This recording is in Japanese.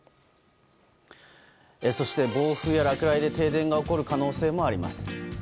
そして、暴風や落雷で停電が起こる可能性もあります。